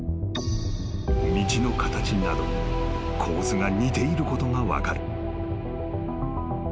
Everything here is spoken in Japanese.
道の形など構図が似ていることが分かる］